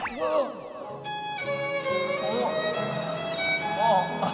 おっ！